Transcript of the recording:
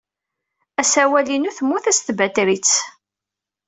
Asawal-inu temmut-as tbatrit.